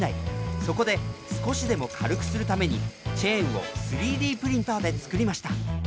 そこで少しでも軽くするためにチェーンを３Ｄプリンターで作りました。